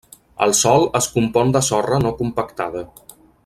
El sòl es compon de sorra no compactada.